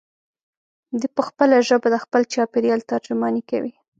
دی په خپله ژبه د خپل چاپېریال ترجماني کوي.